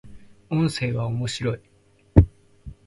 音声は、面白い